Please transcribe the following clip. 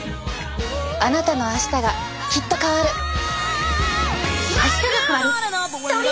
あなたの明日がきっと変わる。